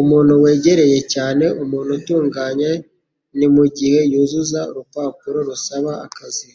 Umuntu wegereye cyane umuntu atunganye ni mugihe yuzuza urupapuro rusaba akazi.